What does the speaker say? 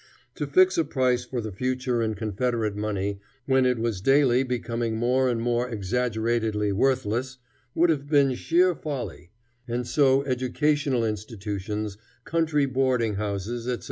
To fix a price for the future in Confederate money when it was daily becoming more and more exaggeratedly worthless, would have been sheer folly; and so educational institutions, country boarding houses, etc.